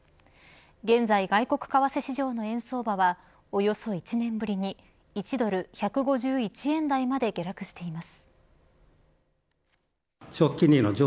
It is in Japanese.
現在、外国為替市場の円相場はおよそ１年ぶりに１ドル１５１円台まで下落しています。